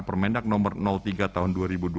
permendag nomor tiga tahun dua ribu dua puluh dua